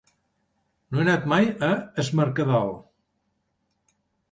No he anat mai a Es Mercadal.